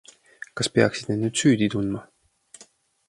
Kas peaksid end nüüd süüdi tundma?